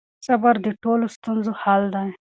صبر د ټولو ستونزو حل دی.